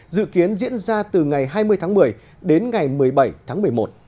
dự kiến diễn ra từ ngày hai mươi tháng một mươi đến ngày một mươi bảy tháng một mươi một